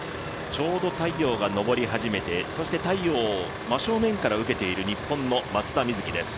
ちょうど太陽が昇り始めてそして太陽を真正面から受けている日本の松田瑞生です。